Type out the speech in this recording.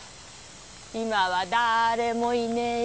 今は誰もいねえよ。